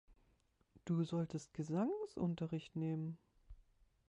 Du solltest Gesangsunterricht nehmen.